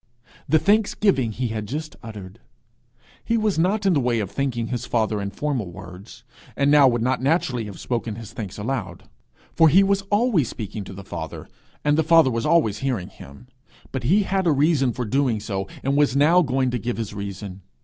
The thanksgiving he had just uttered. He was not in the way of thanking his father in formal words; and now would not naturally have spoken his thanks aloud; for he was always speaking to the Father, and the Father was always hearing him; but he had a reason for doing so, and was now going to give his reason.